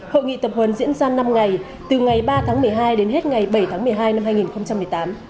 hội nghị tập huấn diễn ra năm ngày từ ngày ba tháng một mươi hai đến hết ngày bảy tháng một mươi hai năm hai nghìn một mươi tám